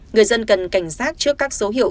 người dân cần cảnh giác trước các dấu hiệu